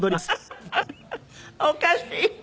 おかしい！